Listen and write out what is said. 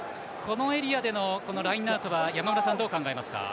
このエリアでのプレーは山村さんどう考えますか。